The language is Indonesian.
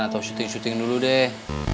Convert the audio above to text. atau syuting syuting dulu deh